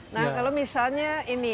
nah kalau misalnya ini